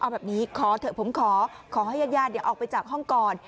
เอาแบบนี้ขอเถอะผมขอให้ญาติออกไปจากห้องก่อน